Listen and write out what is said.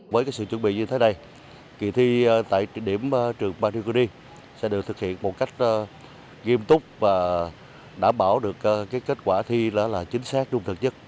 với sự chuẩn bị như thế này kỳ thi tại điểm trường barikuni sẽ được thực hiện một cách nghiêm túc và đảm bảo được kết quả thi chính xác đúng thật nhất